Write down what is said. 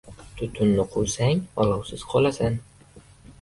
• Tutunni quvsang olovsiz qolasan.